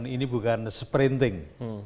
ini bukan sprinting